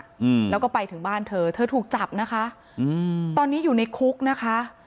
อืมแล้วก็ไปถึงบ้านเธอเธอถูกจับนะคะอืมตอนนี้อยู่ในคุกนะคะ